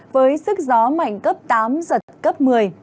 với sức gió mạnh cấp tám giật cấp một mươi